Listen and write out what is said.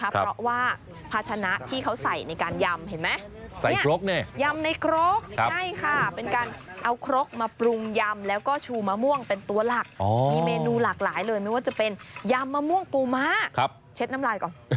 เพราะว่าพาชนะที่เขาใส่ในการยำ